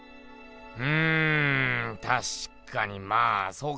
うんたしかにまあそうか。